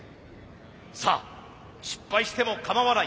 さあ失敗してもかまわない。